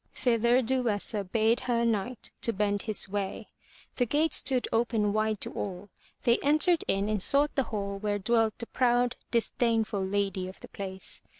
Thither Duessa bade her knight to bend his way. The gate stood open wide to all; they entered in and sought the hall where dwelt the proud, disdainful lady of the place.